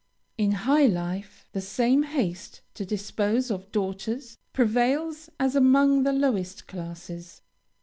"In high life, the same haste to dispose of daughters prevails as among the lowest classes.